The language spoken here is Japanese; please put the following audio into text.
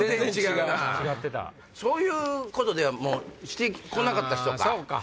そういうことはして来なかった人か。